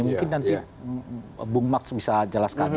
mungkin nanti bung max bisa jelaskan